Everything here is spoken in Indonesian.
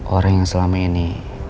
orang yang selama ini